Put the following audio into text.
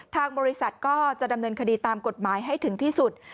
ทางบริษัทก็จะดำเนินคดีตามกฎหมายให้ถึงที่สุด